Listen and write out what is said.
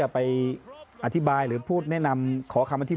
พูดเรื่องมารยาทก่อน